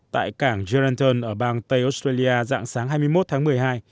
tại cảng jeranton ở bang tây australia dạng sáng hai mươi một tháng một mươi hai